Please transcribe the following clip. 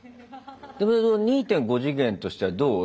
でも２．５次元としてはどう？